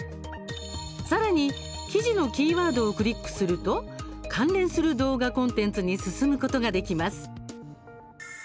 さらに、記事のキーワードをクリックすると関連する動画コンテンツに進むことができます。